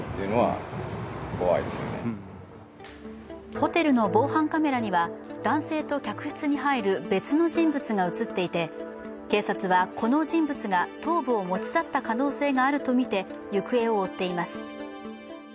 ホテルの防犯カメラには男性と客室に入る別の人物が映っていて警察は、この人物が頭部を持ち去った可能性があるとみて行方を追っています。